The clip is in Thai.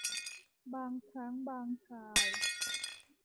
บางครั้งบางคราว